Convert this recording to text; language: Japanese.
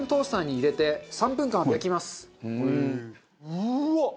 うわっ！